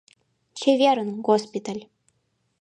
Чеверын, госпиталь!